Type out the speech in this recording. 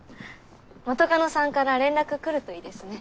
元カノさんから連絡来るといいですね。